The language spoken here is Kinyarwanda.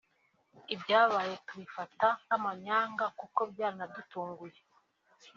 Ibyabaye tubifata nk’amanyanga kuko byaranadutunguye